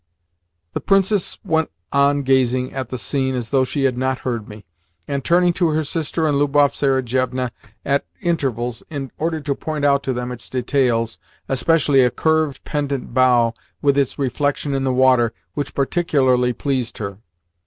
The Princess went on gazing at the scene as though she had not heard me, and turning to her sister and Lubov Sergievna at intervals, in order to point out to them its details especially a curved, pendent bough, with its reflection in the water, which particularly pleased her.